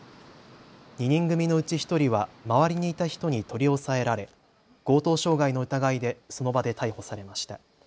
２人組のうち１人は周りにいた人に取り押さえられ強盗傷害の疑いでその場で逮捕されました。